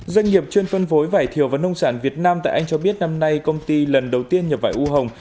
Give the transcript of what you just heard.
doanh nghiệp chuyên phân phối vải thiều và nông sản việt nam tại anh cho biết năm nay công ty lần đầu tiên nhập vải u hồng